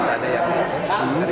ya pertanyaan sunda empire